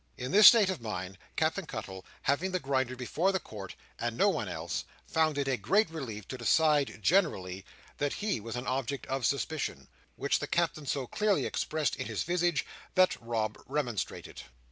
In this state of mind, Captain Cuttle having the Grinder before the court, and no one else, found it a great relief to decide, generally, that he was an object of suspicion: which the Captain so clearly expressed in his visage, that Rob remonstrated.